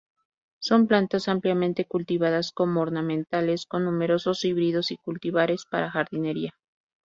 Son plantas ampliamente cultivadas como ornamentales con numerosos híbridos y cultivares para jardinería.